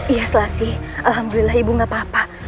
iya selasih alhamdulillah ibu gak apa apa